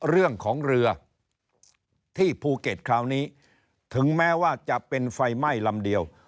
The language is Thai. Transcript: เรื่องของเรือที่ภูเก็ตคราวนี้ถึงแม้ว่าจะเป็นไฟไหม้ลำเดียว